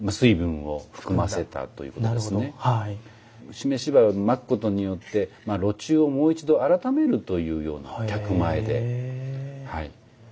湿し灰をまくことによって炉中をもう一度あらためるというような客前ではい。